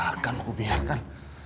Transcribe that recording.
gak akan aku biarkan